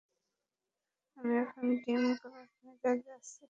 আমি এখন ডিল করার মেজাজে আছি।